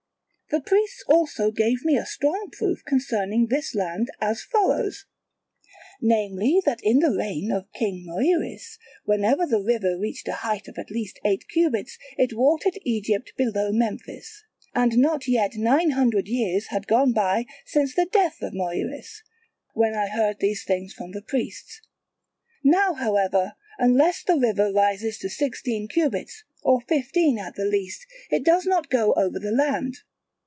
The priests also gave me a strong proof concerning this land as follows, namely that in the reign of king Moiris, whenever the river reached a height of at least eight cubits it watered Egypt below Memphis; and not yet nine hundred years had gone by since the death of Moiris, when I heard these things from the priests: now however, unless the river rises to sixteen cubits, or fifteen at the least, it does not go over the land.